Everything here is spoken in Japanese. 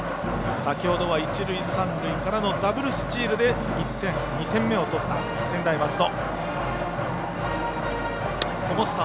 先ほどは一塁三塁からのダブルスチールで１点、２点目を取った専大松戸。